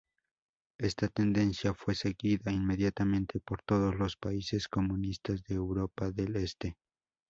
Esta tendencia fue seguida inmediatamente por todos los países comunistas de Europa del Este.